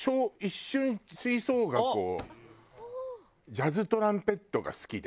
ジャズトランペットが好きで。